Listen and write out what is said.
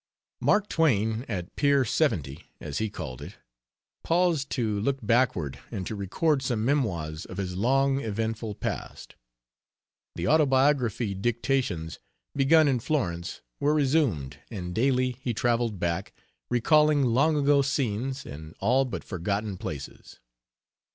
MARK TWAIN at "Pier Seventy," as he called it, paused to look backward and to record some memoirs of his long, eventful past. The Autobiography dictations begun in Florence were resumed, and daily he traveled back, recalling long ago scenes and all but forgotten places.